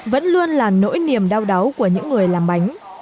vẫn luôn là nỗi niềm đau đáu của những người làm bánh